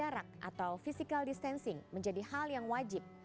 jadi menjaga jarak atau physical distancing menjadi hal yang wajib